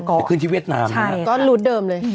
ก็รูดเดิมเลย